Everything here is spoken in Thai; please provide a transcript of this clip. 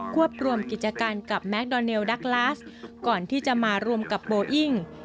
วบรวมกิจการกับแมคดอนเนลดักลาสก่อนที่จะมารวมกับโบอิ้ง